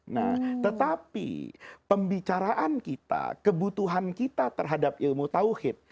nah tetapi pembicaraan kita kebutuhan kita terhadap ilmu tawhid